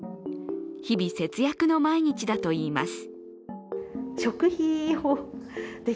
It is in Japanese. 日々節約の毎日だといいます。